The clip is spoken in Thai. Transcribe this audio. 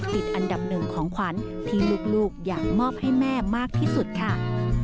ติดอันดับหนึ่งของขวัญที่ลูกอยากมอบให้แม่มากที่สุดค่ะ